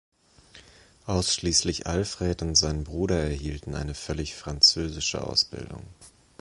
Ausschließlich Alfred und sein Bruder erhielten eine völlig französische Ausbildung.